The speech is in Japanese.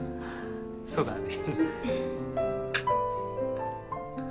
そうだね